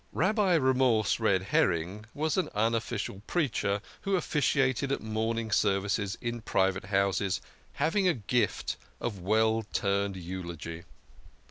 Rabbi Remorse Red herring was an unofficial preacher who officiated at mourning services in private houses, having a gift of well turned eulogy.